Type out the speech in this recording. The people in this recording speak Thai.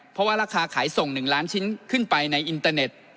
เพราะว่าราคาขายส่ง๑ล้านชิ้นขึ้นไปในอินเตอร์เน็ต